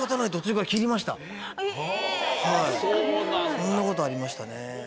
そんなことありましたね。